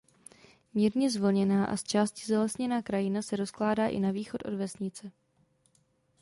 Mírně zvlněná a zčásti zalesněná krajina se rozkládá i na východ od vesnice.